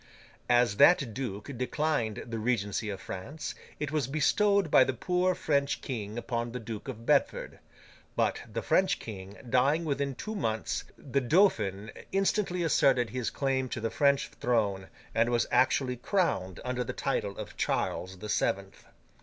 As that duke declined the Regency of France, it was bestowed by the poor French King upon the Duke of Bedford. But, the French King dying within two months, the Dauphin instantly asserted his claim to the French throne, and was actually crowned under the title of Charles the Seventh.